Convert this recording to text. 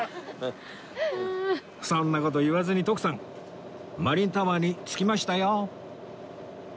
そんな事言わずに徳さんマリンタワーに着きましたよ